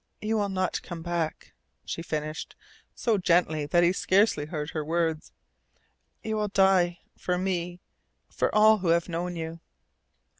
"You will not come back," she finished, so gently that he scarcely heard her words. "You will die for me for all who have known you."